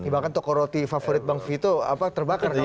bahkan toko roti favorit bang vito terbakar kan